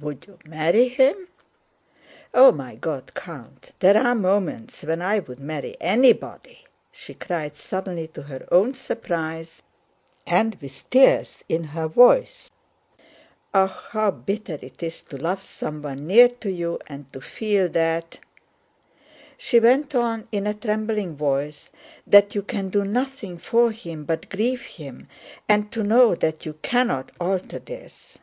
"Would you marry him?" "Oh, my God, Count, there are moments when I would marry anybody!" she cried suddenly to her own surprise and with tears in her voice. "Ah, how bitter it is to love someone near to you and to feel that..." she went on in a trembling voice, "that you can do nothing for him but grieve him, and to know that you cannot alter this.